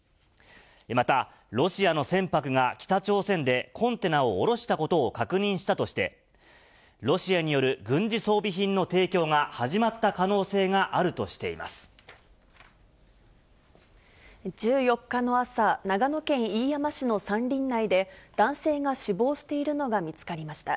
また、ロシアの船舶が北朝鮮でコンテナを降ろしたことを確認したとして、ロシアによる軍事装備品の提供が始まった可能性があるとしていま１４日の朝、長野県飯山市の山林内で、男性が死亡しているのが見つかりました。